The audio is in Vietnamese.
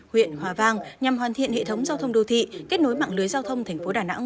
huyện hòa vang nhằm hoàn thiện hệ thống giao thông đô thị kết nối mạng lưới giao thông thành phố đà nẵng